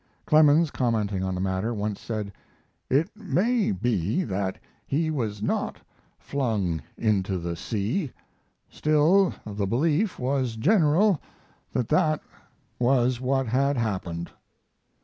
Clemens, commenting on the matter, once said: "It may be that he was not flung into the sea, still the belief was general that that was what had happened."